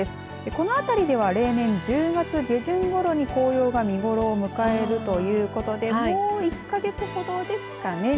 この辺りでは例年１０月下旬ごろに紅葉が見頃を迎えるということでもう１か月ほどですかね。